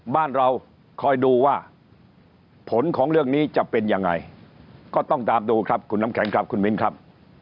บ้านเราคอยดูว่าผลของเรื่องนี้จะเป็นยังไงก็ต้องตามดูครับคุณน้ำแข็งครับคุณมิ้นครับ